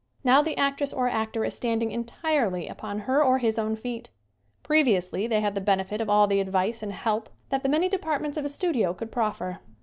Now the actress or actor is standing entirely upon her or his own feet. Previously they have had the benefit of all the advice and help that the many departments of a studio could proffer.